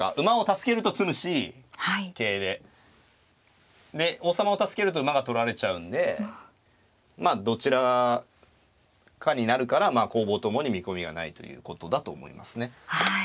で王様を助けると馬が取られちゃうんでまあどちらかになるからまあ攻防ともに見込みがないということだと思いますね。